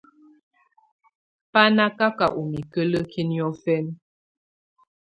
Bà na kaka ù mikǝ́lǝ́ki niɔ̀fɛna.